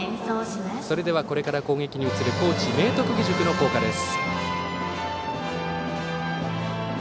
では、これから攻撃に移る高知・明徳義塾の校歌です。